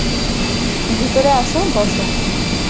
ভিতরে আসো, বসো।